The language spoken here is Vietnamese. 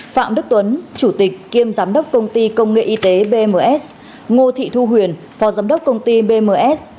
phạm đức tuấn chủ tịch kiêm giám đốc công ty công nghệ y tế bms ngô thị thu huyền phó giám đốc công ty bms